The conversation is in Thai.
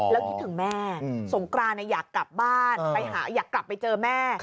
แล้วคิดถึงแม่สงกรานอยากกลับบ้านไปหาอยากกลับไปเจอแม่